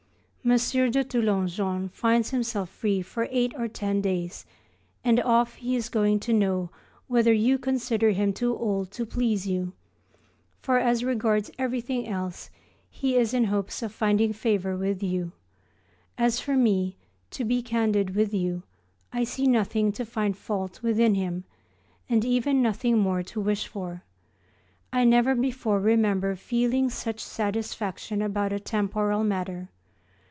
M. de Toulonjon finds himself free for eight or ten days, and off he is going to know whether you consider him too old to please you; for as regards everything else he is in hopes of finding favour with you. As for me, to be candid with you I see nothing to find fault within him, and even nothing more to wish for. I never before remember feeling such satisfaction about a temporal matter.